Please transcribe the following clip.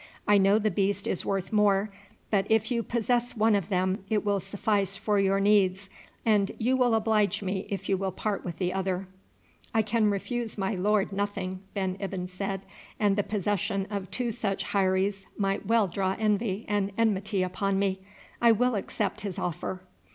I know the beast is worth more; but if you possess one of them it will suffice for your needs, and you will oblige me if you will part with the other." "I can refuse my lord nothing," Ben Ibyn said, "and the possession of two such heiries might well draw envy and enmity upon me. I will accept his offer."